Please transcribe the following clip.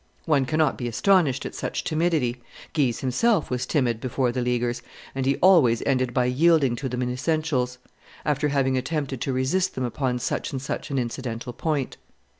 One cannot be astonished at such timidity; Guise himself was timid before the Leaguers, and he always ended by yielding to them in essentials, after having attempted to resist them upon such and such an incidental point.